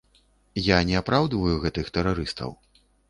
Я не апраўдваю гэтых тэрарыстаў.